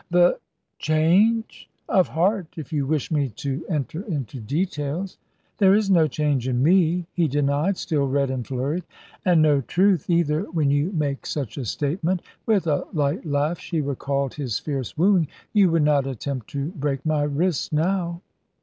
"The change?" "Of heart, if you wish me to enter into details." "There is no change in me," he denied, still red and flurried. "And no truth either, when you make such a statement!" With a light laugh she recalled his fierce wooing: "you would not attempt to break my wrists now."